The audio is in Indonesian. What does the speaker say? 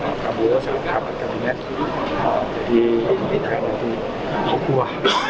saya berharap kabinet diberikan buku bukuah